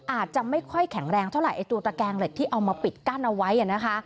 อาจจะไม่ค่อยแข็งแรงเท่าไหรไอ้ตัวตระแกงเหล็กที่เอามาปิดกั้นเอาไว้นะคะ